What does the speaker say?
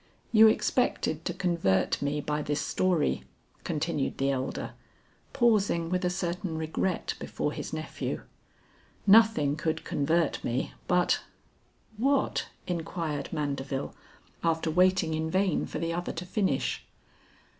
"You expected to convert me by this story," continued the elder, pausing with a certain regret before his nephew; "nothing could convert me but " "What?" inquired Mandeville after waiting in vain for the other to finish.